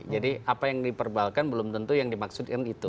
jadi apa yang diperbahalkan belum tentu yang dimaksudkan itu